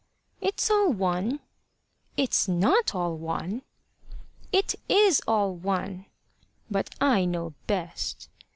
"It's all one." "It's not all one." "It is all one." "But I know best."